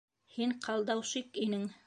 Һин ҡалдаушик инең.